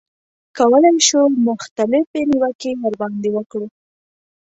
کولای شو مختلفې نیوکې ورباندې وکړو.